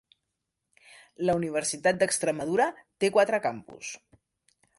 La Universitat d'Extremadura té quatre campus: